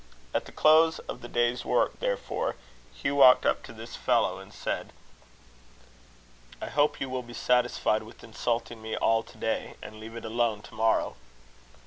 At the close of the day's work, therefore, Hugh walked up to this fellow, and said: "I hope you will be satisfied with insulting me all to day, and leave it alone to morrow."